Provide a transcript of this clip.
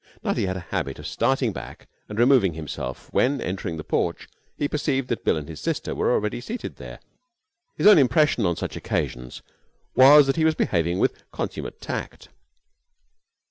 Nutty had a habit of starting back and removing himself when, entering the porch, he perceived that Bill and his sister were already seated there. His own impression on such occasions was that he was behaving with consummate tact.